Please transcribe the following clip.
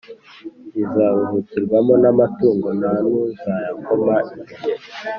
izaruhukirwamo n’amatungo nta n’uzayakoma imbere.